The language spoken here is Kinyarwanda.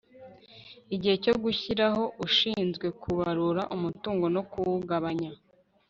igihe cyo gushyiraho ushinzwe kubarura umutungo no kuwugabanya